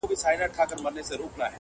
ستا د عدل او انصاف بلا گردان سم؛